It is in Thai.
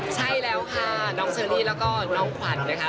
ใช่แล้วค่ะน้องเชอรี่แล้วก็น้องขวัญนะคะ